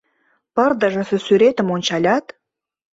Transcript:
Пырдыжысе сӱретым ончалят